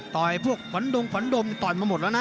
ต่อยพวกขวันดมขวันดมต่อยมาหมดแล้วนะ